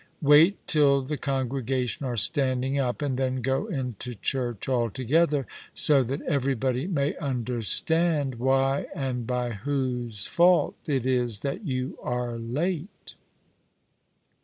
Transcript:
Y/ait till the congregation are standicg up, and then go into church all together, so that everybody may understand why and by whose fault it is that you are late."